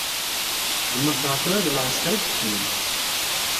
Deg Maṣer tura d lɛesker i iḥekmen.